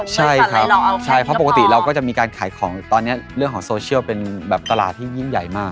ใช่ครับใช่เพราะปกติเราก็จะมีการขายของตอนนี้เรื่องของโซเชียลเป็นแบบตลาดที่ยิ่งใหญ่มาก